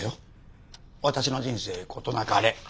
私の人生事なかれ。